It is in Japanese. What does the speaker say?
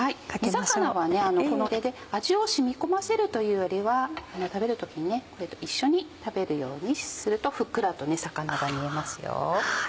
煮魚は味を染み込ませるというよりは食べる時にこれと一緒に食べるようにするとふっくらと魚が煮えますよ。